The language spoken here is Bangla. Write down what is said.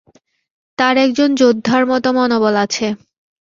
তার একজন যোদ্ধার মতো মনোবল আছে।